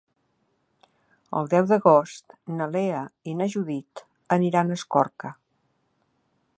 El deu d'agost na Lea i na Judit aniran a Escorca.